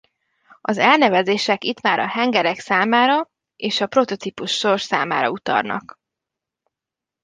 Az elnevezések itt már a hengerek számára és a prototípus sorszámára utalnak.